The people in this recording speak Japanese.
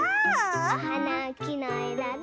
おはなをきのえだで。